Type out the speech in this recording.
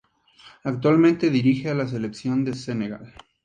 Actualmente dirige a la Selección de Senegal.